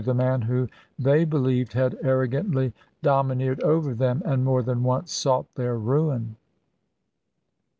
sT the man who, they believed, had arrogantly domi secret neered over them and more than once sought their thfcSffed ruin."